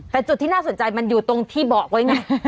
แต่จุดที่น่าสนใจมันอยู่ตรงที่บอกไว้ไง